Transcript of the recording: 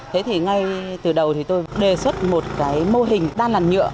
thế thì ngay từ đầu thì tôi đề xuất một cái mô hình đan làn nhựa